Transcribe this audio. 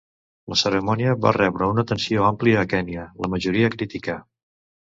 La cerimònia va rebre una atenció àmplia a Kenya, la majoria crítica.